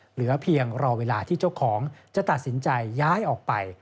เหลือเพียงรอเวลาที่เจ้าของจะตัดสินใจย้ายออกไป